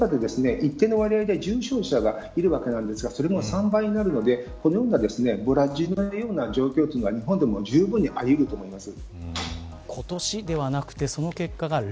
そのあたり一定の割合で重症者がいるわけなんですがそれも３倍になるのでブラジルのような状況は日本でもじゅうぶんにありえると思います。